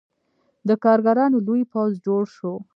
د کارګرانو لوی پوځ جوړ شو.